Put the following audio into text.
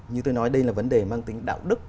như tôi nói đây là vấn đề mang tính đạo đức